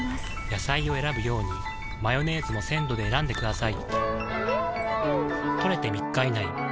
野菜を選ぶようにマヨネーズも鮮度で選んでくださいん！